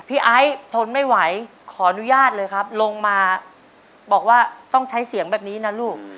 ไอซ์ทนไม่ไหวขออนุญาตเลยครับลงมาบอกว่าต้องใช้เสียงแบบนี้นะลูก